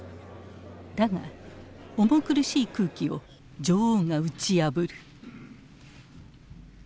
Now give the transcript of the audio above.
だが重苦しい空気を女王が打ち破る。